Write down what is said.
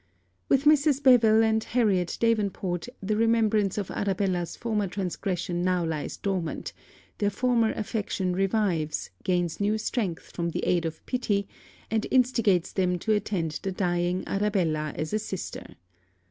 With Mrs. Beville and Harriot Davenport the remembrance of Arabella's former transgression now lies dormant, their former affection revives, gains new strength from the aid of pity, and instigates them to attend the dying Arabella as a sister.